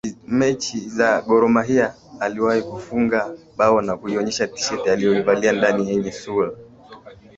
mechi za Gor Mahia aliwahi kufunga bao na kuionyesha tisheti aliyovalia ndani yenye sura